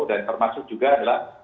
dan termasuk juga adalah